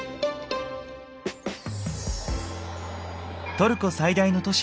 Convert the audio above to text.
トルコ最大の都市